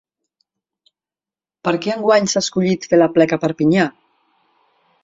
Per què enguany s’ha escollit fer l’aplec a Perpinyà?